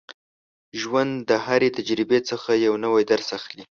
ژوند د هرې تجربې څخه یو نوی درس اخلي.